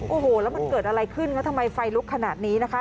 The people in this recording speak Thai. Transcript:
โอ้โหแล้วมันเกิดอะไรขึ้นแล้วทำไมไฟลุกขนาดนี้นะคะ